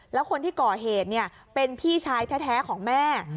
แล้วคนที่ก่อเหตุเป็นพี่ชายแท้ของแม่